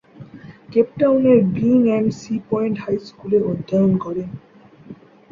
Cape টাউনের Green and Sea Point High স্কুলে অধ্যয়ন করেন।